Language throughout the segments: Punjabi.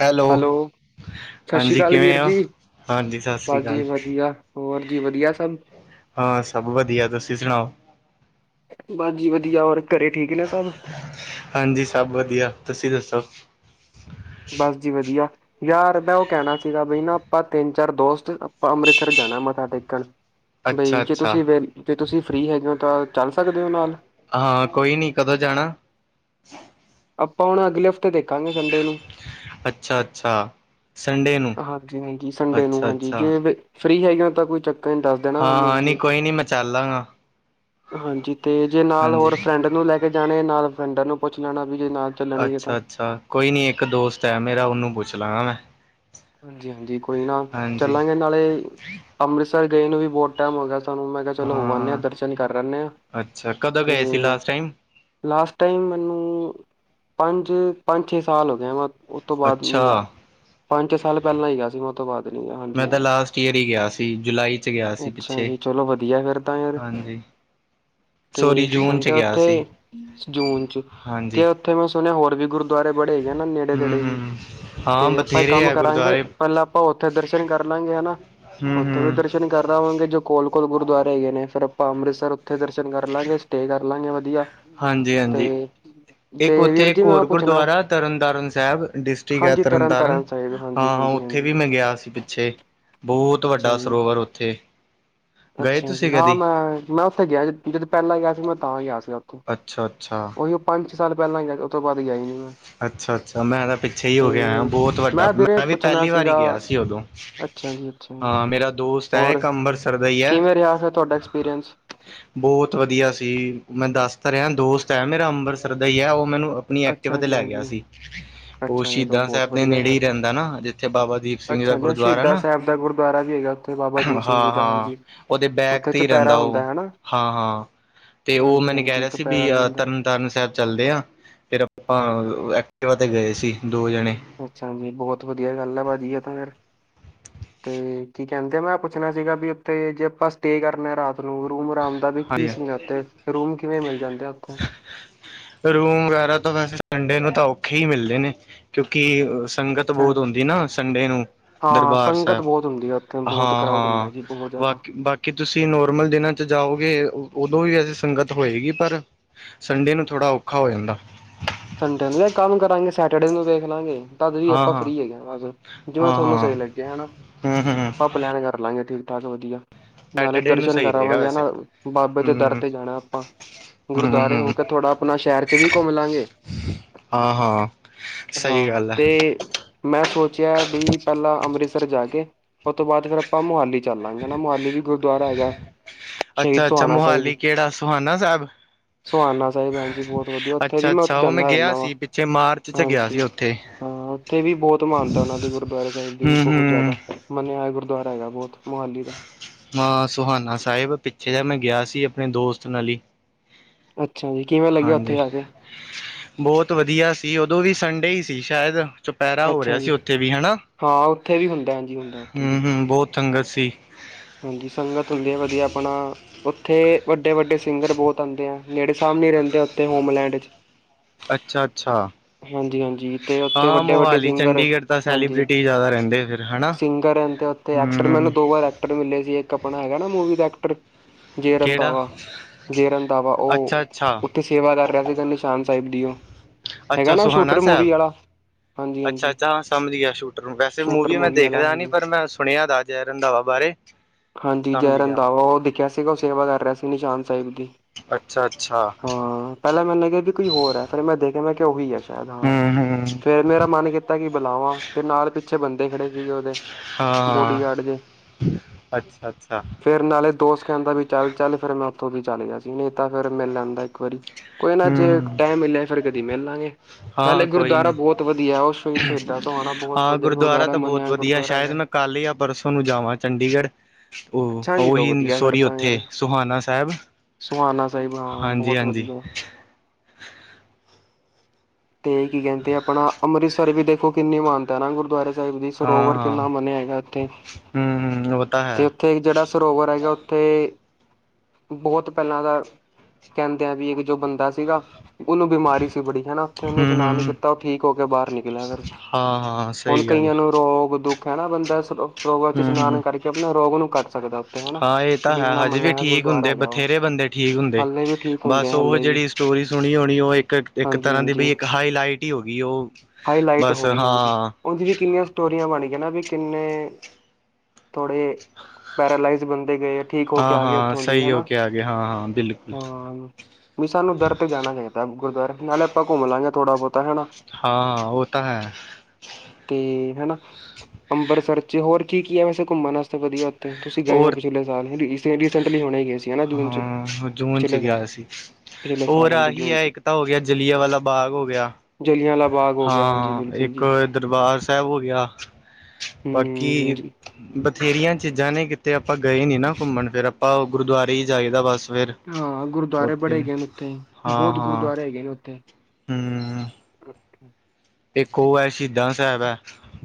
ਹੈਲੋ- ਸਤਿ ਸ੍ਰੀ ਹਾਂਜੀ ਅਕਾਲ ਕਿਵੇਂ ਵੀਰ ਹੋ ਜੀ ਹਾਂਜੀ ਸਤਿ ਸ੍ਰੀ ਬਸ ਅਕਾਲ ਜੀ ਵਧੀਆ ਹੋਰ ਜੀ ਵਧੀਆ ਸਭ ਹਾਂ ਸਭ ਵਧੀਆ ਤੁਸੀ ਸੁਣਾਓ ਬਸ ਜੀ ਵਧੀਆ ਹੋਰ ਘਰੇ ਠੀਕ ਨੇ ਸਭ ਹਾਂਜੀ ਸਭ ਵਧੀਆ ਤੁਸੀ ਦਸੋ ਬਸ ਜੀ ਵਧੀਆ ਯਾਰ ਮੈਂ ਉਹ ਕਹਿਣਾ ਸੀਗਾ ਬਈ ਨਾ ਆਪਾਂ ਤਿੰਨ ਚਾਰ ਦੋਸਤ ਆਪਾਂ ਅੰਮ੍ਰਿਤਸਰ ਜਾਣਾ ਮੱਥਾ ਟੇਕਣ [inaudible] ਬਈ ਜੇ ਅੱਛਾ ਤੁਸੀਂ ਵੀ, ਜੇ ਤੁਸੀਂ ਫ੍ਰੀ ਹੈਗੇ ਹੋ ਤਾਂ ਚੱਲ ਸਕਦੇ ਹੋ ਨਾਲ। ਹਾਂ, ਕੋਈ ਨੀ ਕਦੋਂ ਜਾਣਾ। ਆਪਾਂ, ਹੁਣ ਅਗਲੇ ਹਫ਼ਤੇ ਦੇਖਾਂਗੇ ਸੰਡੇ ਨੂੰ ਅੱਛਾ ਅੱਛਾ ਸੰਡੇ ਨੂੰ ਹਾਂਜੀ ਹਾਂਜੀ ਸੰਡੇ ਨੂੰ ਅੱਛਾ ਹਾਂਜੀ ਅੱਛਾ ਜੇ ਫ੍ਰਰੀ ਹੈਗੇ ਤਾਂ ਕੋਈ ਚੱਕਰ ਨਈ, ਦੱਸ ਦੇਣਾ ਹਾਂ ਮੈਨੂੰ ਹਾਂ ਨਹੀਂ ਜੀ। ਕੋਈ ਨਹੀਂ ਮੈਂ ਚੱਲ ਲਾਂਗਾ ਹਾਂਜੀ, ਤੇ ਜੇ ਨਾਲ ਹੋਰ ਹਾਂਜੀ ਫਰੈਂਡ ਨੂੰ ਲੈ ਕੇ ਜਾਣੈ, ਨਾਲ ਫਰੈਂਡਾਂ ਨੂੰ ਪੁੱਛ ਲੈਣਾ ਵੀ ਜੇ, ਨਾਲ ਚੱਲਣਗੇ ਤਾਂ ਅੱਛਾ ਅੱਛਾ ਕੋਈ ਨੀ, ਇੱਕ ਦੋਸਤ ਹੈ ਮੇਰਾ, ਉਹਨੂੰ ਪੁੱਛ ਲਾਂਗਾ ਮੈਂ ਹਾਂਜੀ ਹਾਂਜੀ ਕੋਈ ਨਾ, ਹਾਂਜੀ ਚੱਲਾਂਗੇ ਨਾਲੇ ਅੰਮ੍ਰਿਤਸਰ ਗਏ ਨੂੰ ਵੀ, ਬਹੁਤ ਟੈਮ ਹੋ ਗਿਆ ਸਾਨੂੰ, ਮੈਂ ਚਲੋ, ਹੋ ਆਂਨੇ ਹਾਂ ਦਰਸ਼ਨ ਕਰ ਆਣੇ ਆਂ ਅੱਛਾ ਕਦੋਂ ਤੇ ਗਏ ਸੀ ਲਾਸਟ ਟਾਈਮ ਲਾਸਟ ਟਾਈਮ ਮੈਨੂੰ ਪੰਜ ਪੰਜ ਛੇ ਸਾਲ ਹੋ ਗਏ ਉਹ ਤੋਂ, ਬਾਅਦ ਅੱਛਾ ਨਈ ਗਿਆ ਪੰਜ--ਛੇ ਸਾਲ ਪਹਿਲਾਂ ਹੀ ਗਿਆ ਸੀ। ਮੈ ਮੈਂ ਤਾਂ ਲਾਸਟ ਈਅਰ ਹੀ ਗਿਆ ਸੀ, ਜੁਲਾਈ ਚ ਗਿਆ ਸੀ ਅੱਛਾ ਪਿੱਛੇ ਜੀ ਚਲੋ ਵਧੀਆ ਫਿਰ ਤਾਂ ਯਾਰ ਹਾਂਜੀ ਹ [unintelligible] ਕੀ ਕਹਿੰਦੇ ਉੱਥੇ ਜੂਨ ਚ ਤੇ ਹਾਂਜੀ ਉੱਥੇ ਮੈਂ ਸੁਣਿਆ, ਹੋਰ ਵੀ ਗੁਰੂ ਗੁਰਦੁਆਰੇ, ਬੜੇ ਹੈਗੇ ਨੇ ਨੇੜੇ ਹੂੰ ਤੇੜੇ ਵੀ ਹੀ ਹੂੰ ਹਾਂ ਤੇ ਆਪਾਂ ਬਥੇਰੇ ਕੰਮ ਹੈ ਕਰਾਂਗੇ, ਗੁਰਦੁਆਰੇ ਪਹਿਲਾਂ ਆਪਾਂ ਉੱਥੇ ਦਰਸ਼ਨ ਕਰ ਲਵਾਂਗੇ ਹਨਾ, ਹੂੰ ਉੱਥੇ ਵੀ ਹੂੰ ਦਰਸ਼ਨ ਕਰ ਲਵਾਂਗੇ, ਜੋ ਕੋਲ ਕੋਲ ਗੁਰਦੁਆਰੇ ਹੈਗੇ ਨੇ, ਫਿਰ ਆਪਾਂ ਅੰਮ੍ਰਿਤਸਰ, ਉੱਥੇ ਦਰਸ਼ਨ ਕਰ ਲਵਾਂਗੇ, ਸਟੇ ਕਰ ਚੱਲਾਂਗੇ, ਵਧੀਆ ਤੇ ਹਾਂਜੀ--ਹਾਂਜੀ, ਇੱਕ ਤੇ ਉੱਥੇ, ਵੀਰ ਜੀ ਇੱਕ ਮੈਂ ਉਹ ਹੋਰ ਪੁੱਛਣਾ ਗੁਰਦੁਆਰਾ ਤਰਨਤਾਰਨ ਸਾਹਿਬ, ਡਿਸਟਿਕ ਹੈ ਹਾਂਜੀ ਤਰਨ ਤਰਨਤਾਰਨ ਤਾਰਨ ਸਾਹਿਬ ਹਾਂਜੀ ਹਾਂ, ਹਾਂਜੀ ਉੱਥੇ ਹਾਂਜੀ ਵੀ ਮੈਂ ਗਿਆ ਸੀ। ਪਿੱਛੇ ਬਹੁਤ ਅੱਛਾ ਵੱਡਾ ਜੀ ਸਰੋਵਰ ਉੱਥੇ? ਗਏ ਅੱਛਾ ਜੀ ਤੁਸੀਂ ਨਾ ਕਦੀ ਮੈ ਮੈਂ ਉੱਥੇ ਗਿਆ ਜਦੋਂ ਪਹਿਲਾਂ ਗਿਆ ਸੀ ਮੈਂ ਤਾਂ ਹੀ ਗਿਆ ਸੀ ਉੱਥੇ ਅੱਛਾ ਅੱਛਾ। ਉਹੀ, ਉਹ ਪੰਜ ਸਾਲ ਪਹਿਲਾਂ, ਉਹ ਤੋਂ ਬਾਅਦ, ਗਏ ਨਈ ਮੈਂ ਅੱਛਾ ਅੱਛਾ ਮੈਂ ਤਾਂ ਪਿੱਛੇ ਹੀ ਤੇ ਹੋ ਕੇ ਆਇਆ, ਬਹੁਤ ਵੱਡਾ, ਵੀਰੇ ਮੈਂ ਵੀ ਪੁੱਛਣਾ ਪਹਿਲੀ ਵਾਰੀ ਸੀਗਾ ਗਿਆ ਸੀ। ਉਦੋਂ, ਅੱਛਾ ਜੀ ਅੱਛਾ ਜੀ ਹਾਂ ਮੇਰਾ ਦੋਸਤ ਸਹਿਰ ਹੋਰ ਅੰਬਰਸਰ ਦਾ ਈ ਹਿ ਕਿਵੇਂ ਰਿਹਾ ਫਿਰ ਤੁਹਾਡਾ ਐਕਸਪੀਰੀਅੰਸ ਬਹੁਤ ਵਧੀਆ ਸੀ, ਮੈਂ ਦੱਸਦਾ ਰਿਹਾ ਦੋਸਤ ਭਰਾ ਮੇਰਾ ਅੰਮ੍ਰਿਤਸਰ, ਦਾ ਹੀ ਹੈ। ਉਹ ਮੈਨੂੰ ਆਪਣੀ ਐਕਟਿਵਾ, ਅੱਛਾ ਤੇ ਜੀ ਲੈ ਗਿਆ ਹਾਂਜੀ ਸੀ। ਉਹ, ਅੱਛਾ ਚਲੋ ਸ਼ਹੀਦਾਂ ਬਹੁਤ ਸਾਹਿਬ ਦੇ ਵਧੀਆ ਨੇੜੇ, ਫਿਰ। ਹੀ ਰਹਿੰਦਾ ਨਾ, ਜਿੱਥੇ, ਬਾਬਾ ਦੀਪ ਸਿੰਘ ਜੀ ਦਾ ਅੱਛਾ ਗੁਰਦੁਆਰਾ, ਸ਼ਹੀਦਾਂ ਨਾ ਸਾਹਿਬ ਦਾ ਗੁਰਦੁਆਰਾ ਵੀ ਹੈਗਾ ਉੱਥੇ, ਬਾਬਾ ਦੀਪ ਸਿੰਘ ਜੀ ਹਾਂ ਦਾ, ਹਾਂ ਹਾਂਜੀ ਉਹਦੇ, ਬੈਕ ਉੱਥੇ ਤੇ ਹੀ ਚੁਪਹਿਰਾ ਰਹਿੰਦਾ ਉਹ, ਹੁੰਦਾ ਹੈ ਨਾ ਹਾਂ ਹਾਂ ਤੇ ਉਹ ਹਾਂਜੀ ਮੈਨੂੰ ਕਹਿ ਹਾਂਜੀ ਰਿਹਾ ਸੀ ਚੁਪਹਿਰਾ ਵੀ ਅਹ ਤਰਨ ਹੁੰਦਾ ਤਰਨ ਤਾਰਨ ਸਾਹਿਬ ਚੱਲਦੇ ਆ, ਫਿਰ ਆਪਾ ਐਕਟਿਵਾ ਤੇ ਗਏ ਸੀ। ਦੋ ਜਣੇ ਅੱਛਾ ਜੀ, ਬਹੁਤ ਵਧੀਆ ਗੱਲ ਏ ਆ ਭਾਜੀ, ਇਹ ਤੇ ਫਿਰ ਤੇ ਕੀ ਕਹਿੰਦੇ ਆ, ਮੈਂ ਪੁੱਛਣਾ ਸੀਗਾ, ਵੀ ਉੱਥੇ ਜੇ ਆਪਾਂ ਸਟੇ ਕਰੇ ਆਾਂ ਰਾਤ ਨੂੰ, ਰੂਮ ਆਰਾਮ ਪਤਾ ਨਈ, ਕੀ ਹਾਂਜੀ ਸੀਨ ਉੱਥੇ, ਰੂਮ ਕਿਵੇਂ ਮਿਲ, ਜਾਂਦੇ ਆ, ਉੱਥੋਂ ਰੂਮ ਵਗੈਰਾ ਤਾਂ ਵੈਸੇ ਸੰਡੇ ਨੂੰ ਤਾਂ ਔਖੇ ਹੀ ਮਿਲਦੇ ਨੇ, ਕਿਉਂਕਿ ਸੰਗਤ, ਅੱਛਾ ਬਹੁਤ ਹੁੰਦੀ ਜੀ ਨਾ, ਸੰਡੇ ਨੂੰ ਹਾਂ ਦਰਬਾਰ ਸੰਗਤ ਸਾਹਿਬ ਬਹੁਤ ਹੁੰਦੀ ਆ ਉੱਥੇ ਬਹੁਤ ਹਾਂ ਕਰਾਊਡ ਹੁੰਦਾ ਹਾਂ ਜੀ ਬਹੁਤ ਜ਼ਿਆਦਾ ਬਾਕੀ ਬਾਕੀ ਕਿ ਤੁਸੀਂ, ਨੋਰਮਲ ਦਿਨਾਂ ਚ ਜਾਓ? ਉਦੋਂ ਵੀ ਅਜੇ, ਸੰਗਤ ਹੋਏਗੀ, ਪਰ ਸੰਡੇ ਨੂੰ, ਥੋੜਾ ਔਖਾ ਹੋ ਜਾਂਦਾ ਸੰਡੇ ਨੂੰ ਵੀ, ਕੰਮ ਕਰਾਂਗੇ। ਸੈਟਰਡੇ ਨੂੰ ਵੇਖ ਲਾਂਵਾ ਗੇ ਤਦ ਵੀ, ਹਾਂ ਆਪਾਂ ਹਾਂ ਫਰੀ ਹੈਗੇ, ਬਸ ਜਿਵੇਂ ਹਾਂ ਤੁਹਾਨੂੰ ਹਾਂ ਸਹੀ ਲੱਗਿਆ, ਹੈਨਾ ਹਮ ਹਮ ਆ ਪਲੈਨ ਕਰ ਲਾਂ ਗੇ ਚੱਲ, ਵਧੀਆ ਨਾਲੇ, ਸੈਟਰਡੇ ਨੂੰ ਦਰਸ਼ਨ ਸਹੀ ਰਹੇਗਾ ਕਰਾਵਾਂਗੇ ਵੈਸੇ ਨਾ, ਬਾਬੇ ਦੇ ਦਰ ਹਮ ਤੇ ਜਾਣਾ ਆਪਾਂ, ਹਮ ਗੁਰਦੁਆਰੇ ਹਮ ਹੋ ਕੇ, ਥੋੜ੍ਹਾ ਆਪਣਾ ਸ਼ਹਿਰ ਚ, ਵੀ ਘੁੰਮ ਲਵਾਂਗੇ। ਹਾਂ ਹਾਂ ਸਹੀ ਹਾਂ, ਗੱਲ ਹੈ ਤੇ ਮੈਂ ਸੋਚਿਆ, ਬਈ ਪਹਿਲਾਂ ਅੰਮ੍ਰਿਤਸਰ ਜਾ ਕੇ, ਉਹ ਤੋਂ ਬਾਅਦ, ਫੇਿਰ ਆਪਾਂ ਮੋਹਾਲੀ ਚੱਲਾਂਗੇ, ਨਾ ਮੋਹਾਲੀ ਵੀ, ਗੁਰਦੁਆਰਾ ਹੈਗਾ? ਸ਼ਹੀਦ ਅੱਛਾ--ਅੱਛਾ ਸੁਹਾਨਾ ਸਾਹਿਬ ਮੋਹਾਲੀ ਕਿਹੜਾ ਸੁਹਾਨਾ? ਸਾਹਿਬ ਸੁਹਾਨਾ ਸਾਹਿਬ ਹਾਂਜੀ ਬਹੁਤ ਵਧੀਆ ਉੱਥੇ ਅੱਛਾ ਦੀ, ਮੈਂ ਅੱਛਾ ਉਹ ਮੈਂ ਜਾਂਦਾ ਗਿਆ ਰਹਿੰਦਾ ਵਾਂ ਸੀ ਪਿੱਛੇ ਮਾਰਚ ਚ ਗਿਆ ਸੀ ਹਾਂਜੀ ਉੱਥੇ। ਹਾਂ ਉੱਥੇ ਵੀ ਬਹੁਤ ਮਹਾਨਤਾ ਉਹਨਾਂ ਦੇ ਗੁਰਦੁਆਰੇ ਸਾਹਿਬ ਦੀ ਵੀ ਹਮ ਬਹੁਤ ਹਮ ਜ਼ਿਆਦਾ। ਮੰਨਿਆ ਹੋਇਆ ਗੁਰਦੁਆਰਾ ਹੈਗਾ ਬਹੁਤ ਮੋਹਾਲੀ ਦਾ। ਮਾਂ ਸੁਹਾਨਾ ਸਾਹਿਬ ਪਿੱਛੇ ਜਹਾ ਮੈਂ ਗਿਆ ਸੀ ਆਪਣੇ ਦੋਸਤ ਨਾਲ ਈ। ਅੱਛਾ ਜੀ ਕਿਵੇਂ ਲੱਗਿਆ ਉੱਥੇ ਹਾਂਜੀ। ਜਾ ਕੇ ਬਹੁਤ ਵਧੀਆ ਸੀ ਉਦੋਂ ਵੀ ਸੰਡੇ ਹੀ ਸੀ ਸ਼ਾਇਦ। ਚੁਪਹਿਰਾ ਹੋ ਰਿਹਾ ਅੱਛਾ ਸੀ ਜੀ ਉੱਥੇ ਵੀ ਹਨਾ। ਹਾਂ ਉੱਥੇ ਵੀ ਹੁੰਦਾ ਹਾਂਜੀ ਹੁੰਦਾ ਹੂੰ, ਉੱਥੇ ਵੀ ਹੂੰ ਬਹੁਤ ਸੰੰਗਤ ਸੀ। ਹਾਂਜੀ ਸੰਗਤ ਹੁੰਦੀ ਹੈ ਵਧੀਆ ਆਪਣਾ ਉੱਥੇ ਵੱਡੇ ਵੱਡੇ ਸਿੰਗਰ ਬਹੁਤ ਆਉਂਦੇ ਆ। ਨੇੜੇ ਸਾਹਮਣੇ ਰਹਿੰਦੇ ਆ ਉੱਥੇ ਹੋਮਲੈਂਡ ਚ। ਅੱਛਾ ਅੱਛਾ। ਹਾਂਜੀ ਹਾਂਜੀ ਤੇ ਉੱਥੇ ਹਾਂ ਵੱਡੇ ਵੱਡੇ ਮੋਹਾਲੀ ਸਿੰਗਰ ਚੰਡੀਗੜ੍ਹ ਤਾਂ ਹਾਂਜੀ ਸੈਲੀਬ੍ਰਿਟੀ ਜ਼ਿਆਦਾ ਰਹਿੰਦੇ ਫਿਰ ਹਨਾ ਸਿੰਗਰ ਹਨ ਤੇ ਤੇ ਐਕਟਰ ਹੂੰ ਮੈਨੂੰ ਦੋ ਵਾਰ ਐਕਟਰ ਮਿਲੇ ਸੀ ਇੱਕ ਆਪਣਾ ਹੈਗਾ ਨਾ ਮੂਵੀ ਦਾ ਐਕਟਰ। ਜੇ ਕਿਹੜਾ ਰੰਧਾਵਾ ਜੇ ਰੰਧਾਵਾ ਅੱਛਾ ਉਹ ਅੱਛਾ ਉੱਥੇ ਸੇਵਾ ਕਰ, ਰਿਹਾ ਸੀਗਾ। ਨਿਸ਼ਾਨ ਸਾਹਿਬ ਦੀ ਉਹ। ਅੱਛਾ, ਹੈਗਾ ਨਾ ਸੁਹਾਣਾ ਸ਼ੂਟਰ ਮੂਵੀ ਸੈਬ। ਵਾਲਾ ਹਾਂਜੀ ਅੱਛਾ- ਹਾਂਜੀ ਅੱਛਾ, ਹਾਂ ਸਮਝ ਗਿਆ। ਸ਼ੂਟਰ ਨੂੰ, ਵੈਸੇ ਸ਼ੂਟਰ ਮੂਵੀ ਮੈ ਵਾਲਾ ਦੇਖਦਾ ਨੀ, ਹਾਂਜੀ ਪਰ ਮੈਂ ਸੁਣਿਆ। ਜੈ ਰੰਧਾਵਾ, ਬਾਰੇ। ਹਾਂਜੀ। ਸਮਝ ਜੈ ਗਿਆ ਮੈਂ ਰੰਧਾਵਾ ਉਹ ਦਿਖਿਆ ਸੀਗਾ ਉਹ ਸੇਵਾ ਕਰ ਰਿਹਾ ਸੀ ਨਿਸ਼ਾਨ ਸਾਹਿਬ ਦੀ। ਅੱਛਾ, ਅੱਛਾ। ਹਾਂ ਪਹਿਲਾਂ ਮੈਨੂੰ, ਲੱਗਿਆ ਵੀ ਕੋਈ ਹੋਰ ਹੈ। ਫੇਰ ਮੈਂ ਦੇਖਿਆ, ਮੈਂ ਕਿਹਾ ਉਹੀ ਆ। ਸ਼ਾਇਦ ਹਾਂ ਹੂੰ ਹੂੰ ਫੇਰ ਮੇਰਾ ਮਨ, ਕੀਤਾ ਕਿ ਬੁਲਾਵਾਂ। ਤੇ ਨਾਲ ਪ ਪਿੱਛੇ ਬੰਦੇ, ਖੜੇ ਸੀਗੇ। ਉਹਦੇ ਹਾਂ ਬੋਡੀਗਾਰਡ ਜੇ। ਅੱਛਾ ਅੱਛਾ ਫੇਰ ਨਾਲੇ, ਦੋਸਤ ਕਹਿੰਦਾ ਵਿੱ ਚੱਲ- ਚੱਲ, ਫੇਰ ਮੈਂ ਉੱਥੋਂ ਵੀ, ਚੱਲ ਗਿਆ ਸੀ। ਨਹੀਂ ਤਾਂ ਫੇਰ, ਮਿਲ ਲੈਂਦਾ ਇੱਕ ਵਾਰੀ। ਕੋਈ ਨਾ, ਜੇ ਹੂੰ ਟਾਈਮ ਮਿਲਿਆ। ਫੇਰ ਕਦੀ ਮਿਲ ਲਾਂਗੇ ਹਾਂ ਨਾਲੇ ਕੋਈ ਗੁਰਦੁਆਰਾ ਨੀ, ਬਹੁਤ ਵਧੀਆ ਉਹ ਸ਼ਹੀਦ ਸ਼ਹੀਦਾਂ ਸੋਹਾਣਾ ਬਹੁਤ ਹਾਂ ਵਧੀਆ ਗੁਰਦੁਆਰਾ, ਤਾਂ ਬਹੁਤ ਮੰਨਿਆ ਵਧੀਆ ਗੁਰਦੁਆਰਾ ਸ਼ਾਇਦ। ਹੈਗਾ ਮੈਂ ਕੱਲ ਜਾਂ ਪਰਸੋਂ ਨੂੰ, ਜਾਵਾਂ ਚੰਡੀਗੜ। ਉਹ ਅੱਛਾ ਜੀ ਲੋ ਉਹੀ, ਵਧੀਆ ਫਿਰ ਸੋਰੀ ਤਾਂ ਉਥੇ ਯਾਰ ਸੁੋਹਾਾਨਾ ਸਾਹਿਬ। ਸੁਹਾਨਾ ਸਾਹਿਬ, ਹਾਂ ਹਾਂਜੀ ਬਹੁਤ ਹਾਂਜੀ ਵਧੀਆ। ਤੇ ਕੀ ਕਹਿੰਦੇ ਆਪਣਾ, ਅੰਮ੍ਰਿਤਸਰ ਵੀ, ਦੇਖੋ ਕਿੰਨੀ ਮਾਨਤਾ, ਏ ਨਾ ਗੁਰਦੁਆਰੇ। ਸਾਹਿਬ, ਦੀ ਸਰੋਵਰ ਕਿੰਨਾ, ਮੰਨਿਆ ਹੈਗਾ ਇੱਥੇ। ਹੂੰ, ਹੂੰ ਓਹ, ਤਾਂ ਹੈ। ਉੱਥੇ ਜਿਹੜਾ, ਸਰੋਵਰ ਹੈਗਾ। ਉੱਥੇ। ਬਹੁਤ ਪਹਿਲਾਂ ਦਾ, ਕਹਿੰਦੇ ਆ ਵੀ, ਇੱਕ ਜੋ ਬੰਦਾ ਸੀਗਾ। ਉਹਨੂੰ ਬਿਮਾਰੀ ਸੀ। ਬੜੀ ਹੈਨਾ, ਉੱਥੇ ਉਹਨੇ ਹਮ ਇਸ਼ਨਾਨ ਹਮ ਕੀਤਾ। ਉਹ ਠੀਕ ਹੋ ਕੇ, ਬਾਹਰ ਨਿਕਲਿਆ ਫੇਰ। ਹਾਂ ਹਾਂ ਹੁਣ ਸਹੀ ਗੱਲ ਕਈਆਂ ਨੂੰ, ਰੋਗ ਦੁੱਖ ਹੈ। ਬੰਦਾ ਸਰੋਵਰ ਵਿੱਚ, ਹਮ ਇਸ਼ਨਾਨ ਹਮ ਕਰਕੇ। ਆਪਣਾ ਰੋਗ ਨੂੰ ਕੱਟ ਸਕਦਾ। ਉੱਥੇ ਹਨਾ ਹਾਂ, ਇਹ ਤਾਂ ਹੈ। ਡੀਨਾ ਹਜੇ ਵੀ, ਮੰਨਿਆ ਹੋਇਆ ਠੀਕ ਗੁਰਦੁਆਰਾ ਹੁੰਦੇ ਹੈਗਾ ਵਾ ਬਥੇਰੇ ਬੰਦੇ। ਠੀਕ ਹੁੰਦੇ, ਹਾਲੇ ਵੀ ਠੀਕ ਹੁੰਦੇ ਆ ਬਸ ਉਹ ਹਾਲੇ ਵੀ ਜਿਹੜੀ। ਜੋੜੀ ਸੁਣੀ ਹੋਣੀ, ਉਹ ਇੱਕ, ਇੱਕ ਹਾਂਜੀ ਤਰਾਂ ਦੀ ਹਾਂਜੀ ਬਈ, ਇੱਕ ਹਾਈ ਲਈਟ ਹੀ ਹੋ ਗਈ ਉਹ। ਹਾਈਲਾਈਟ ਬਸ ਹੋ ਗਈ ਹਾਂਜੀ ਹਾਂ। ਉਹਦੀ ਵੀ ਕਿੰਨੀਆਂ, ਸਟੋਰੀਆਂ ਬਣ ਗਈਆਂ ਨਾ ਵੀ ਕਿੰਨੇ। ਥੋੜੇ ਪੈਰਾਲਾਈਜ਼, ਬੰਦੇ ਗਏ। ਠੀਕ ਹੋ ਕੇ, ਹਾਂ ਆ ਗਏ ਹਾਂ ਉੱਥੋਂ ਦੀ, ਸਹੀ ਹੋ ਹਨਾ। ਕੇ ਆ ਗਏ ਹਾਂ ਹਾਂ ਬਿਲਕੁਲ ਹਾਂ। ਵੀ ਸਾਨੂੰ, ਦਰ ਤੇ ਜਾਣਾ ਚਾਹੀਦਾ। ਗੁਰਦੁਆਰੇ ਨਾਲੇ ਆਪਾਂ, ਘੁੰਮ ਲਾਂਗੇ ਥੋੜਾ ਬਹੁਤਾ ਹੈਨਾ। ਹਾਂ ਉਹ, ਤਾਂ ਹੈ। ਤੇ ਹਨਾ, ਅੰਬਰਸਰ ਚ, ਹੋਰ ਕੀ- ਕੀ ਹੈ। ਵੈਸੇ ਘੁੰਮਣ ਵਾਸਤੇ ਵਧੀਆ। ਤੇ ਤੁਸੀਂ ਗਏ ਹੋ। ਹੋਰ ਪਿਛਲੇ ਸਾਲ ਰੀਸ, ਰੀਸੈਂਟਲੀ ਗਏ ਸੀ। ਹੈ ਨਾ ਜੂਨ ਚ, ਹਾਂ ਜੂਨ ਚ ਪਿਛਲੇ ਸਾਲ। ਗਿਆ ਸੀ ਪਿਛਲੇ ਹੋਰ ਸਾਲ ਹਾਂਜੀ ਆਹੀ ਜੂਨ ਹੈ। ਚ ਇੱਕ ਤਾਂ ਹੋ ਗਿਆ, ਜਲੀਆ ਵਾਲਾ ਬਾਗ ਹੋ ਗਿਆ। ਜਲਿਆਂ ਵਾਲਾ ਬਾਗ ਹਾਂ। ਹੋ ਗਿਆ ਹਾਂਜੀ ਹਾਂ, ਬਿਲਕੁਲ ਇੱਕ ਜੀ ਦਰਬਾਰ ਸਾਹਿਬ, ਹੋ ਗਿਆ। ਹੂੰ ਬਾਕੀ ਜੀ ਬਥੇਰੀਆਂ ਚੀਜ਼ਾਂ ਨੇ, ਕਿਤੇ ਆਪਾਂ ਗਏ ਨੀ, ਨਾ ਘੁੰਮਣ। ਫੇਰ ਆਪਾਂ ਗੁਰਦੁਆਰੇ, ਹੀ ਜਾਏਦਾ ਬਸ। ਫੇਰ। ਹਾਂ, ਗੁਰਦੁਆਰੇ ਬੜੇ, ਹੈਗੇ ਨੇ ਉੱਥੇ। ਬਹੁਤ ਗੁਰਦੁਆਰੇ ਹੈਗੇ ਨੇ, ਉੱਥੇ। ਹੂੰ। ਇਕ ਉਹ ਹੈ, ਸ਼ਹੀਦਾਂ ਸਾਹਿਬ ਹੈ।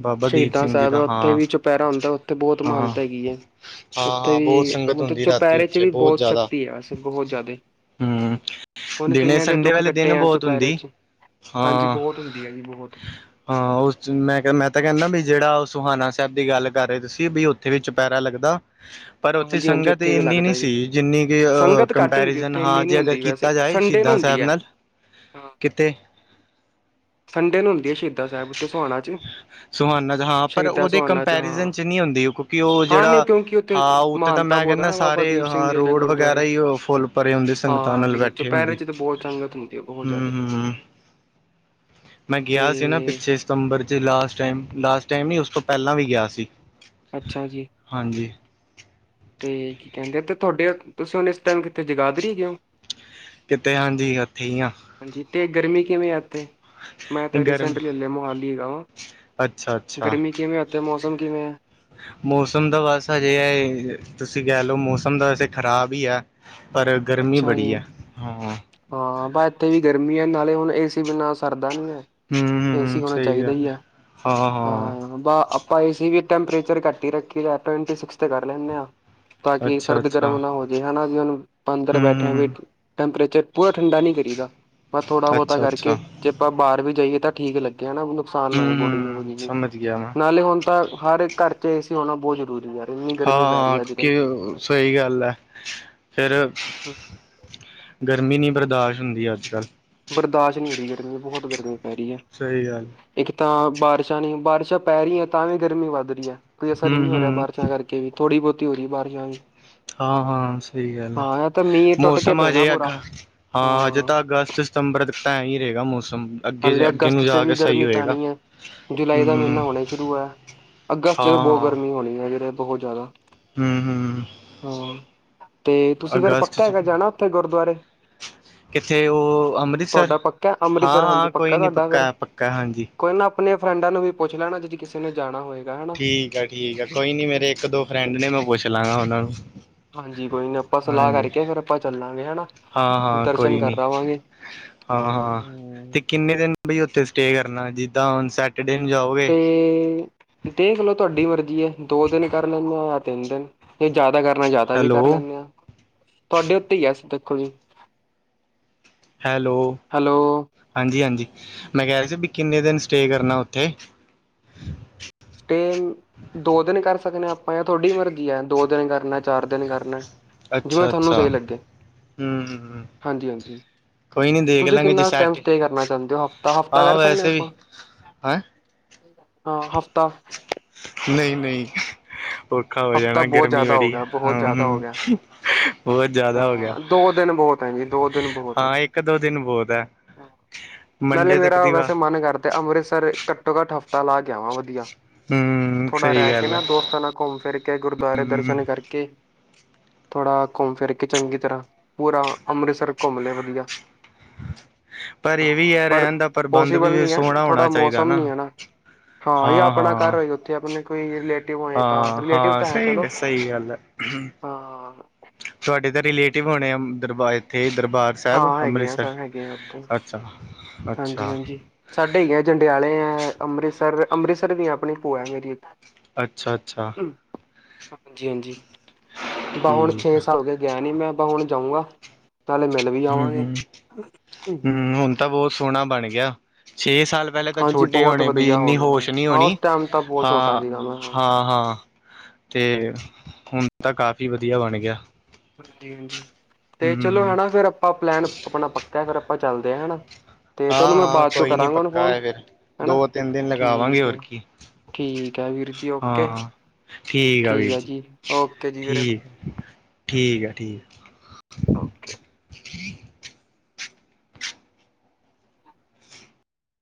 ਬਾਬਾ ਦੀਪ ਸ਼ਹੀਦਾਂ ਸਿੰਘ, ਜੀ ਸਾਹਿਬ ਹੈ ਦਾ ਉੱਥੇ ਹਾਂ। ਵੀ ਚੁਪਹਿਰਾ ਹੁੰਦਾ ਉੱਥੇ ਬਹੁਤ ਹਾਂ। ਹਾਂ- ਮਾਨਤਾ ਹੈਗੀ ਹੈ ਉੱਥੇ ਹਾਂ। ਬਹੁਤ ਵੀ ਸੰਗਤ ਮਤਲਬ ਹੁੰਦੀ, ਰਾਤੀ ਚੁਪਹਿਰੇ ਚ ਉੱਥੇ। ਵੀ ਬਹੁਤ ਜ਼ਿਆਦਾ। ਸ਼ਕਤੀ ਹੈ ਵੈਸੇ ਬਹੁਤ ਜ਼ਿਆਦਾ ਹੂੰ। ਹੁਣ ਦਿਨੇ ਕਈਆਂ ਦੇ ਸੰਡੇ, ਦੁੱਖ ਵਾਲੇ ਕੱਟੇ ਦਿਨ, ਆ ਬਹੁਤ ਚੁਪਹਿਰੇ ਹੁੰਦੀ। ਚ ਹਾਂਜੀ ਹਾਂ। ਬਹੁਤ ਹੁੰਦੀ ਹੈ ਜੀ ਬਹੁਤ ਹਾਂ, ਉਸ ਮੈਂ, ਮੈਂ ਤਾਂ ਕਹਿੰਦਾ ਵੀ, ਜਿਹੜਾ ਸੁਹਾਾਨਾ ਸਾਹਿਬ ਦੀ, ਗੱਲ ਕਰ ਰਹੇ ਤੁਸੀ, ਵੀ। ਤੇ ਵਿੱਚ ਚੋਪਹਰਾ ਲੱਗਦਾ। ਪਰ ਉੱਥੇ, ਹਾਂਜੀ ਹਾਂਜੀ ਸੰਗਤ ਉੱਥੇ ਵੀ ਇੰਨੀ ਨਹੀਂ ਲੱਗਦਾ ਸੀ। ਜੀ ਜਿੰਨੀ ਕਿ ਸੰਗਤ ਘੱਟ ਹੁੰਦੀ ਕੰਪੈਰੀਜ਼ਨ ਉੱਥੇ ਹਾਂ। ਇੰਨੀ ਨੀ ਜੇ ਅਗਰ। ਹੁੰਦੀ ਕਿਤਾ ਵੈਸੇ ਜਾਏ, ਸੰਡੇ ਨੂੰ ਸ਼ਹੀਦਾਂ ਹੁੰਦੀ ਸਾਹਿਬ ਹੈ ਨਾਲ। ਹਾਂ। ਕਿਥੇ? ਸੰਡੇ ਨੂੰ ਹੁੰਦੀ ਐ ਸ਼ਹੀਦਾਂ ਸਾਹਿਬ, ਉੱਥੇ ਸੋਹਣਾ ਚ ਸੁਹਾਨਾ ਚ ਹਾਂ ਪਰ ਸ਼ਹੀਦਾਂ ਉਹਦੇ ਸੋਹਾਣਾ ਕੰਪੈਰੀਜ਼ਨ ਹਾਂ ਚ ਨਹੀਂ ਹੁੰਦੀ ਉਹ ਕਿਉਂਕਿ ਉਹ ਹਾਂ ਨਹੀਂ ਜਿਹੜਾ ਕਿਉਂਕਿ ਉੱਥੇ ਹਾਂ ਉੱਥੇ ਤਾਂ ਮਹਾਨਤਾ ਮੈਂ ਬਹੁਤ ਹੈ ਕਹਿੰਦਾ ਨਾ ਬਾਬਾ ਸਾਰੇ ਦੀਪ ਸਿੰਘ ਹਾਂ ਜੀ ਵਾਲੇ ਰੋਡ ਵਗੈਰਾ ਗੁਰਦੁਆਰੇ ਹੀ ਫੁੱਲ ਭਰੇ ਹੁੰਦੇ ਸੰਗਤਾਂ ਹਾਂ ਨਾਲ ਜੀ ਬੈਠੇ ਇਕੱਠੇ ਚੁਪਹਿਰੇ ਹੁੰਦੀ, ਚ ਤਾਂ ਬਹੁਤ ਸੰਗਤ ਹੁੰਦੀ ਹੈ ਬਹੁਤ ਜ਼ਿਆਦਾ ਹੁੰ-ਹੁੰ। ਮੈਂ ਗਿਆ ਸੀ ਨਾ ਤੇ ਪਿੱਛੇ ਸਤੰਬਰ ਚ ਲਾਸਟ ਟਾਈਮ, ਲਾਸਟ ਟਾਈਮ ਨੀ ਉਸ ਤੋਂ ਪਹਿਲਾਂ ਵੀ ਗਿਆ ਸੀ। ਅੱਛਾ ਜੀ। ਹਾਂਜੀ। ਤੇ ਕੀ ਕਹਿੰਦੇ ਆ ਅਤੇ ਤੁਹਾਡੇ ਤੁਸੀਂ ਹੁਣ ਇਸ ਟਾਈਮ ਕਿੱਥੇ ਜਗਾਧਰੀ ਚ ਹੋ। ਕਿਤੇ ਹਾਂਜੀ, ਉੱਥੇ ਹੀ ਆ। ਹਾਂਜੀ ਤੇ ਗਰਮੀ ਕਿਵੇਂ ਆ ਉਥੇ ਮੈਂ ਨਹੀਂ ਤੇ ਗਰਮੀ ਰੀਸੈਂਟਲੀ ਹਲੇ ਮੋਹਾਲੀ ਹੈਗਾ ਵਾਂ। ਅੱਛਾ ਅੱਛਾ ਗਰਮੀ ਕਿਵੇਂ, ਉਥੇ ਮੌਸਮ ਕਿਵੇਂ ਏ? ਮੌਸਮ ਦਾ ਬਸ ਅਜੇ ਐ, ਤੁਸੀਂ ਕਹਿ ਲਓ ਮੌਸਮ ਦਾ ਵੈਸੇ ਖ਼ਰਾਬ ਹੀ ਆ। ਪਰ ਗਰਮੀ ਅੱਛਾ ਬੜੀ ਜੀ। ਐ, ਹਾਂ ‌। ਹਾਂ ਬਸ ਇੱਥੇ ਵੀ ਗਰਮੀ ਆ, ਨਾਲੇ ਹੁਣ ਏ ਸੀ ਬਿਨਾ ਸਰਦਾ ਨੀ ਏ। ਹਮ ਹਮ ਏਸੀ ਹੋਣਾ ਸਹੀ ਚਾਹੀਦਾ ਗੱਲ ਹੀ ਆ, ਹਾਂ ਬ ਭਾਈ ਅਸੀਂ ਵੀ ਟੈਂਪਰੇਚਰ ਘੱਟ ਹੀ ਰੱਖੀ ਦਾ, ਟਵਟੀ ਸਿਕਸ ਤੇ ਕਰ ਲੈਂਦੇ ਆ। ਤਾਂ ਕਿ ਅੱਛਾ ਸਰਦ ਅੱਛਾ ਗਰਮ ਨਾ ਹੋ ਜੇ ਹੈਨਾ ਵੀ ਹੁਣ ਅੰਦਰ ਹਮ ਬੈਠੇ ਵੀ ਹਮ ਟੈਂਪਰੇਚ ਪੂਰਾ ਠੰਡਾ ਨੀ ਕਰੀਦਾ ਬਸ ਥੋੜਾ ਬਹੁਤਾ ਅੱਛਾ ਅੱਛਾ ਕਰਕੇ, ਜੇ ਆਪਾਂ ਬਾਹਰ ਵੀ ਜਾਈਏ ਤਾਂ ਠੀਕ ਲੱਗੇ ਨਾ ਮੈਨੂੰ ਨੁਕਸਾਨ ਹੋਵੇ ਹਮ ਬੋਡੀ ਨੂੰ ਹਮ ਜੀ, ਸਮਝ ਗਿਆ ਮੈਂ ਨਾਲੇ ਹੁਣ ਤਾਂ ਹਰ ਇੱਕ ਘਰ ਚ ਏ ਸੀ ਹੋਣਾ ਬਹੁਤ ਜ਼ਰੂਰੀ ਐ। ਹਾਂ ਕਿ ਸਹੀ ਗੱਲ ਹੈ ਫੇਰ ਗਰਮੀ ਨੀ ਬਰਦਾਸ਼ਤ ਹੁੰਦੀ ਅੱਜ ਕੱਲ੍ਹ ਬਰਦਾਸ਼ਤ ਨਈ ਹੋ ਰਹੀ ਗਰਮੀ, ਬਹੁਤ ਗਰਮੀ ਪੈ ਰਹੀ ਐ। ਸਹੀ ਗੱਲ। ਇੱਕ ਤਾਂ ਬਾਰਿਸ਼ਾਂ ਨੇ, ਬਾਰਿਸ਼ਾਂ ਪੈ ਰਹੀਆਂ ਤਾਂ ਵੀ ਗਰਮੀ ਵੱਧ ਰਹੀ ਏ, ਕੋਈ ਅਸਰ ਹੀ ਹਮ ਨਈ ਹੋ ਰਿਹਾ ਹਮ ਬਾਰਿਸ਼ਾਂ ਕਰਕੇ ਵੀ ਥੋੜੀ ਬਹੁਤੀ ਹੋ ਰਹੀ ਬਾਰਸ਼ਾਂ ਵੀ ਹਾਂ-ਹਾਂ, ਸਹੀ ਗੱਲ ਆ ਹਾਂ ਇਹ ਤਾਂ ਮੀਂਹ ਟੁੱਟ ਕੇ ਮੌਸਮ ਪੈਣਾ ਹਜੇ ਪੂਰਾ ਅੱਗਾ ਹਾਂ ਅਜੇ ਤਾਂ ਅਗਸਤ, ਸਤੰਬਰ ਤੱਕ ਤਾਂ ਐਂ ਹੀ ਰਹੇਗਾ ਮੌਸਮ ਅੱਗੇ ਹਲੇ ਅੱਗੇ ਨੂੰ ਅਗਸਤ ਚ ਜਾ ਵੀ ਕੇ ਸਹੀ ਗਰਮੀ ਹੋਏਗਾ ਪੈਣੀ ਏ, ਜੁਲਾਈ ਦਾ ਹਮ ਮਹੀਨਾ ਹਾਂ ਹੋਣੇ ਸ਼ੁਰੂ ਹੋਇਆ। ਅਗਸਤ ਚ ਬਹੁਤ ਗਰਮੀ ਹੋਣੀ ਏ, ਅਜੇ ਬਹੁਤ ਜ਼ਿਆਦਾ। ਹੁੰ-ਹੁੰ। ਹਾਂ ਤੇ ਤੁਸੀਂ ਫੇਰ ਪੱਕਾ ਚ ਹੈਗਾ ਜਾਣਾ ਉੱਥੇ ਗੁਰਦੁਆਰੇ। ਕਿੱਥੇ? ਉਹ ਅੰਮ੍ਰਿਤਸਰ ਤੁਹਾਡਾ ਪੱਕਾ ਅੰਮ੍ਰਿਤਸਰ ਹਾਂਜੀ ਹਾਂ-ਹਾਂ। ਪੱਕਾ ਤੁਹਾਡਾ ਫਿਰ, ਕੋਈ ਨਾ ਆਪਣੀਆਂ ਫਰੈਂਡਾਂ ਨੂੰ ਵੀ ਪੁੱਛ ਲੈਣਾ ਜੇ ਕਿਸੇ ਨੇ ਜਾਣਾ ਹੋਏਗਾ ਹੈਨਾ। ਠੀਕ ਆ, ਠੀਕ ਆ ਕੋਈ ਨੀ ਮੇਰੇ ਇੱਕ ਦੋ ਫਰੈਂਡ ਨੇ ਮੈਂ ਪੁੱਛ ਲਾਂਗਾ ਉਹਨਾਂ ਨੂੰ ਹਾਂਜੀ ਕੋਈ ਨਾ ਆਪਾਂ ਸਲਾਹ ਹਾਂਜੀ ਕਰਕੇ ਫੇਰ ਆਪਾਂ ਚੱਲਾਂਗੇ ਹੈਨਾ, ਦਰਸ਼ਨ ਕਰ ਆਵਾਂਗੇ। ਹਾਂ-ਹਾਂ, ਹੂੰ ਤੇ ਕਿੰਨੇ ਦਿਨ ਬਈ ਉੱਥੇ ਸਟੇ ਕਰਨਾ? ਜਿੱਦਾਂ ਹੁਣ ਸੈਟਰਡੇ ਨੂੰ ਜਾਓਗੇ। ਤੇ, ਦੇਖ ਲੋ ਤੁਹਾਡੀ ਮਰਜ਼ੀ ਏ, ਦੋ ਦਿਨ ਕਰ ਲੈਂਦੇ ਜਾਂ ਤਿੰਨ ਦਿਨ ਇਹ ਜ਼ਿਆਦਾ ਕਰਨਾ ਜ਼ਿਆਦਾ ਵੀ ਹੈਲੋ ਕਰ ਲੈਂਦੇ ਆ, ਤੁਹਾਡੇ ਉੱਤੇ ਹੀ ਵੇਸੇ ਦੇਖੋ ਜੀ। ਹੈਲੋ, ਹੈਲੋ ਹਾਂਜੀ-ਹਾਂਜੀ, ਮੈਂ ਕਹਿ ਰਹਾ ਸੀ ਵੀ ਕਿੰਨੇ ਦਿਨ ਸਟੇ ਕਰਨਾ ਉੱਥੇ? ਤੇ ਦੋ ਦਿਨ ਕਰ ਸਕਦੇ ਹਾਂ ਆਪਾਂ ਯ ਤੁਹਾਡੀ ਮਰਜ਼ੀ ਐ। ਦੋ ਦਿਨ ਕਰਨਾ, ਚਾਰ ਦਿਨ ਕਰਨਾ। ਜਿਵੇਂ ਤੁਹਾਨੂੰ ਸਹੀ ਲੱਗੇ। ਹਮਮਮਮ। ਹਾਂਜੀ ਹਾਂਜੀ ਕੋਈ ਨੀ ਦੇਖ ਤੁਸੀਂ ਲਾਂਗੇ ਕਿੰਨਾ ਟਾਈਮ ਜਸ਼ਟੇ, ਸਟੇ ਕਰਨਾ ਚਾਹੁੰਦੇ ਹੋ ਹਫ਼ਤਾ ਹਫ਼ਤਾ ਆਹ ਕਰ ਸਕਦੇ ਵੈਸੇ ਵੀ ਆਪਾਂ ਹੈ। ਹਾਂ ਹਫ਼ਤਾ। ਨਈ-ਨਈ। ਔਖਾ ਹੋ ਹਫ਼ਤਾ ਜਾਣਾ, ਬਹੁਤ ਗਰਮੀ ਜ਼ਿਆਦਾ ਹੋ ਬੜੀ ਗਿਆ ਬਹੁਤ ਹਮ ਜ਼ਿਆਦਾ ਹੋ ਹਮ। ਗਿਆ ਬਹੁਤ ਜ਼ਿਆਦਾ ਹੋ ਗਿਆ। ਹਾਂ ਦੋ ਦਿਨ ਬਹੁਤ ਹੈ ਜੀ ਦੋ ਦਿਨ ਬਹੁਤ ਹੈ ਹਾਂ ਇੱਕ ਦੋ ਦਿਨ ਬਹੁਤ ਐ। ਮੁੰਡੇ ਤੱਕ ਦੀ ਵਾਹ ਤੇ ਅੰਮ੍ਰਿਤਸਰ ਘੱਟੋ-ਘੱਟ ਹਫ਼ਤਾ ਲਾ ਕੇ ਆਵਾਂ ਵਧੀਆ। ਹਮ ਥੋੜਾ ਸਹੀ ਰਹਿ ਕੇ ਗੱਲ ਹੈ ਨਾ ਦੋਸਤਾਂ ਨਾਲ ਘੁੰਮ ਫਿਰ ਕੇ ਗੁਰਦੁਆਰੇ ਹਮ ਦਰਸ਼ਨ ਕਰਕੇ, ਥੋੜਾ ਘੁੰਮ ਫਿਰ ਕੇ ਕਿ ਚੰਗੀ ਤਰ੍ਹਾਂ ਪੂਰਾ ਅੰਮ੍ਰਿਤਸਰ ਘੁੰਮ ਲੈ ਵਧੀਆ। ਪਰ ਇਹ ਵੀ ਹਾਂ, ਹੈ ਪਰ ਰਹਿਣ ਦਾ ਪ੍ਰਬੰਧ ਪੋਸੀਬਲ ਵੀ ਨਹੀਂ ਹੈ, ਸੋਹਣਾ ਥੋੜ੍ਹਾ ਹੋਣਾ ਚਾਹੀਦਾ ਮੌਸਮ ਨੀ ਹੈ ਨਾ। ਹਾਂ। ਇਹ ਆਪਣਾ ਕਰ ਰਹੀ। ਜੇ ਆਪਣੇ ਕੋਈ ਰਿਲੇਟਿਵ ਹੋਏ ਤਾਂ ਹਾਂ ਰਿਲੇਟਿਵ ਹਾਂ ਤਾਂ ਹੈ ਚਲੋ। ਸਹੀ ਸਹੀ ਗੱਲ ਹੈ ਹਾਂ। ਤੁਹਾਡੇ ਤਾਂ ਰਿਲੇਟਿਵ ਹੋਣੇ ਆ, ਦਰਬ, ਇੱਥੇ ਦਰਬਾਰ। ਸਾਹਿਬ ਹਾਂ ਹੈਗੇ ਆ ਅੰਮ੍ਰਿਤਸਰ। ਸਰ ਹੈਗੇ ਆ ਉੱਥੇ ਅੱਛਾ- ਅੱਛਾ। ਹਾਂਜੀ- ਹਾਂਜੀ ਸਾਡੇ ਹੀ ਹੈ ਜੰਡਿਆਲੇ ਹੈ ਅੰਮ੍ਰਿਤਸਰ, ਅੰਮ੍ਰਿਤਸਰ ਵੀ ਆਪਣੀ ਭੋਆ ਹੈ ਮੇਰੀ ਇੱਕ। ਅੱਛਾ- ਅੱਛਾ। ਹਾਂਜੀ -ਹਾਂਜੀ ਬਾਹੁਨ ਠੀਕ ਆ। ਛੇ ਸਾਲ ਗਏ। ਗਿਆ ਨੀ ਮੈਂ ਆਪਾਂ ਹੁਣ ਜਾਊਂਗਾ। ਨਾਲੇ ਮਿਲ ਵੀ ਹੂੰ, ਜਾਵਾਂਗੇ। ਹੂੰ, ਹੂੰ ਹੁਣ ਤਾਂ ਬਹੁਤ ਸੋਹਣਾ ਬਣ ਗਿਆ। ਛੇ ਸਾਲ ਪਹਿਲੇਾਂ ਤਾਂ ਹਾਂਜੀ ਛੋਟੇ ਬਹੁਤ ਹੋਣੇ ਬਈ ਵਧੀਆ ਹੋ ਇੰਨੀ ਗਿਆ ਹੋਸ਼ ਨਹੀਂ ਹਾਂ ਉਸ ਹੋਣੀ। ਟਾਈਮ ਤਾਂ ਬਹੁਤ ਛੋਟਾ ਹਾਂ- ਸੀਗਾ ਮੈਂ ਹਾਂ- ਹਾਂ। ਤੇ ਹੁਣ ਤਾਂ ਕਾਫੀ ਵਧੀਆ ਬਣ ਗਿਆ। ਹਾਂਜੀ -ਹਾਂਜੀ ਤੇ ਚਲੋ ਹੂੰ, ਹੈ ਫੇਰ ਆਪਾਂ ਪਲੈਨ ਆਪਣਾ ਪੱਕਾ ਫਿਰ ਆਪਾਂ ਚੱਲਦੇ ਹ ਹਨਾ। ਤੇ ਹਾਂ, ਤੁਹਾਨੂੰ ਮੈਂ ਹਾਂ ਬਾਅਦ ਚੋ ਕੋਈ ਨੀ ਕਰਾਂਗਾ ਉਹਨੂੰ ਪੱਕਾ ਫੋਨ। ਹੈ ਫਿਰ ਹੈ ਨਾ ਦੋ ਤਿੰਨ ਦਿਨ ਲਗਾਵਾਂਗੇ ਠੀਕ ਆ। ਹੋਰ ਕੀ ਠੀਕ ਹੈ ਵੀਰ ਜੀ ਓਕੇ। ਹਾਂ। ਠੀਕ ਆ ਵੀਰ ਹੈ ਜੀ, ਓਕੇ ਜੀ ਵੀਰੇ ਠੀਕ -ਠੀਕ ਆ ਠੀਕ। ਓਕੇ ਕੇ।